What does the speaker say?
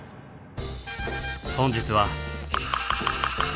本日は。